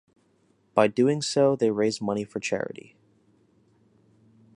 By doing so they raise money for charity.